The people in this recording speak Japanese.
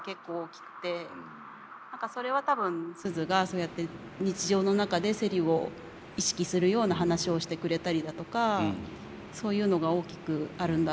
それは多分スズがそうやって日常の中でセリを意識するような話をしてくれたりだとかそういうのが大きくあるんだろうなって。